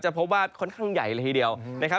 พบว่าค่อนข้างใหญ่เลยทีเดียวนะครับ